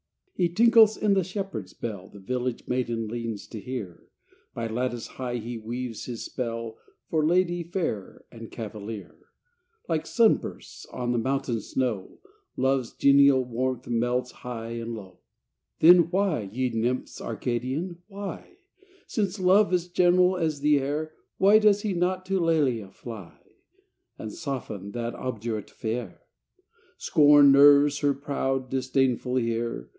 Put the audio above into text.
He tinkles in the shepherd s bell The village maiden leans to hear By lattice high he weaves his spell, For lady fair and cavalier : Like sun bursts on the mountain snow, Love s genial warmth melts high and low. THE DREAM OF LOVE. 71 Then why, ye nymphs Arcadian, why Since Love is general as the air Why does he not to Lelia fly, And soften that obdurate fair? Scorn nerves her proud, disdainful heart